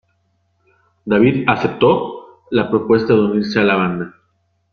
David aceptó la propuesta de unirse a la banda.